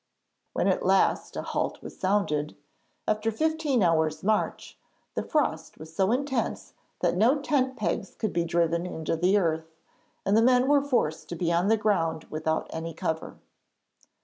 When at last a halt was sounded, after fifteen hours' march, the frost was so intense that no tent pegs could be driven into the earth, and the men were forced to be on the ground without any cover.